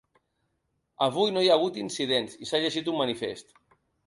Avui no hi ha hagut incidents i s’ha llegit un manifest.